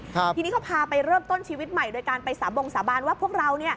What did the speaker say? ทีนี้เขาพาไปเริ่มต้นชีวิตใหม่โดยการไปสาบงสาบานว่าพวกเราเนี่ย